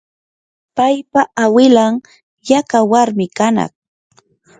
paypa awilan yaqa warmi kanaq.